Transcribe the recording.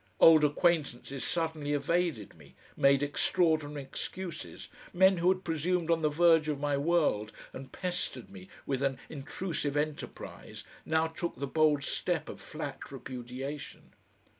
Old acquaintances suddenly evaded me, made extraordinary excuses; men who had presumed on the verge of my world and pestered me with an intrusive enterprise, now took the bold step of flat repudiation.